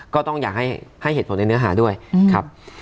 ก็ต้องอยากให้เหตุผลในเนื้อหาด้วยครับ